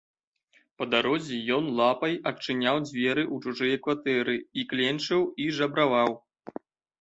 Па дарозе ён лапай адчыняў дзверы ў чужыя кватэры і кленчыў і жабраваў.